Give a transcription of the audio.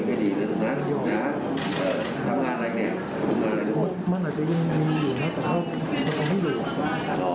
มันอาจจะยังมีอยู่นะแต่เราก็ไม่ว่าจะหรือ